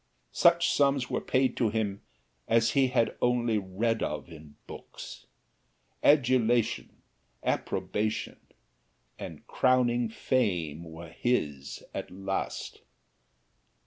Such sums were paid to him as he had only read of in books. Adulation, approbation and crowning fame were his at last.